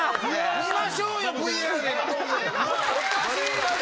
見ましょうよＶＡＲで。